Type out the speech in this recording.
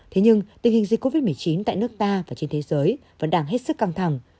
thế nhưng tình hình dịch covid một mươi chín tại nước ta và trên thế giới vẫn đang hết sức căng thẳng